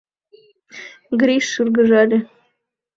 Гриш шыргыжале.